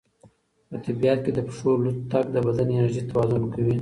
په طبیعت کې د پښو لوڅ تګ د بدن انرژي توازن کوي.